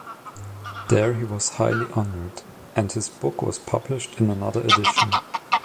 There he was highly honored, and his book was published in another edition.